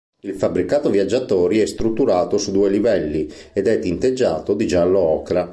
Il fabbricato viaggiatori è strutturato su due livelli ed è tinteggiato di giallo ocra.